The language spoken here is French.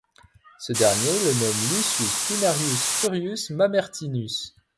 Ce dernier le nomme Lucius Pinarius Furius Mamertinus.